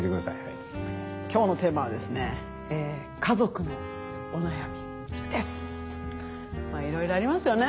今日のテーマはですねまあいろいろありますよね。